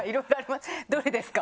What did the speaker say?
どれですか？